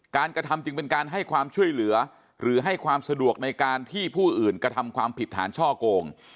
กระทำจึงเป็นการให้ความช่วยเหลือหรือให้ความสะดวกในการที่ผู้อื่นกระทำความผิดฐานช่อโกง